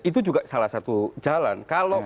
itu juga salah satu jalan